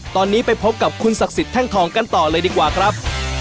ตอนนี้ไปพบกับคุณศักดิ์สิทธิแท่งทองกันต่อเลยดีกว่าครับ